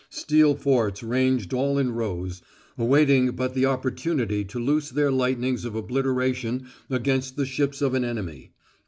Steel forts ranged all in rows, awaiting but the opportunity to loose their lightnings of obliteration against the ships of an enemy.